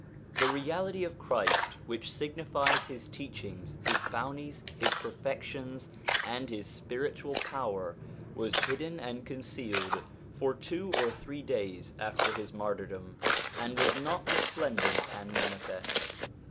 The Reality of Christ, which signifies his teachings, his bounties, his perfections, and his spiritual power, was hidden and concealed for two or three days after his martyr dom, and was not resplendent and manifest.